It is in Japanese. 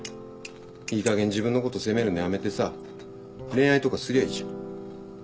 いいかげん自分のこと責めるのやめてさ恋愛とかすりゃいいじゃん。